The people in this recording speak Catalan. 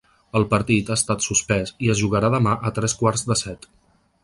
El partit ha estat suspès i es jugarà demà a tres quarts de set.